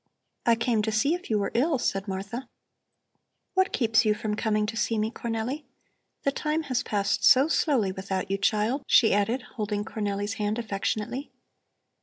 "I came to see if you were ill," said Martha. "What keeps you from coming to see me, Cornelli? The time has passed so slowly without you, child," she added, holding Cornelli's hand affectionately.